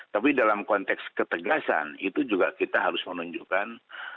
tapi dalam konteks ketegasan itu juga kita harus menunjukkan